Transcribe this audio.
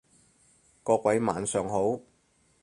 各位晚上好